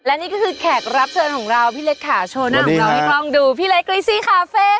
และนี่จะคือแขกรับเชิญของเรามิดคลังดูพี่เล็กกริซี่คาเฟ่ค่ะ